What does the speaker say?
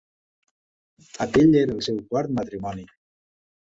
Aquell era el seu quart matrimoni.